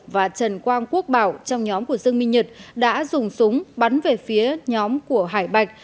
và trần quang quốc bảo trong nhóm của dương minh nhật đã dùng súng bắn về phía nhóm của hải bạch